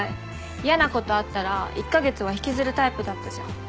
嫌なことあったら１カ月は引きずるタイプだったじゃん。